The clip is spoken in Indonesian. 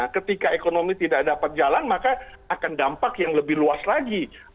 ketika ekonomi tidak dapat jalan maka akan dampak yang lebih luas lagi